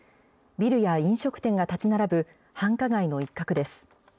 ビルや飲食店が建ち並ぶ繁華街の一角です。